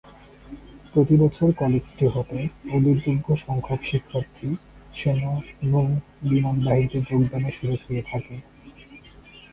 প্রতিবছর কলেজটি হতে উল্লেখযোগ্য সংখ্যক শিক্ষার্থী সেনা, নৌ, বিমানবাহিনীতে যোগদানের সুযোগ পেয়ে থাকে।